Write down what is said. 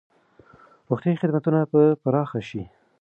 روغتیايي خدمتونه به پراخ شي.